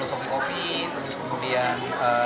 mulai dari telus opi opi terus kemudian